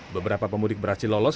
beberapa pemudik berhasil lolos